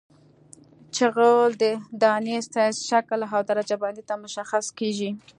جغل د دانې سایز شکل او درجه بندۍ ته مشخص کیږي